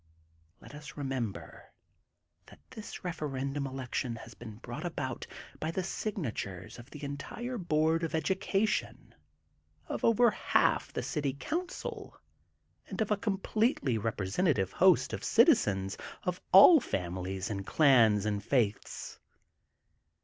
Let us remember that this referendum election has been brought about by the signatures of the entire Board of Education, of over half the City Council and of a completely representa tive host of citizens of all families and clans and faiths.